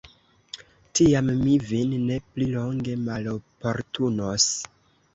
Tiam mi vin ne pli longe maloportunos.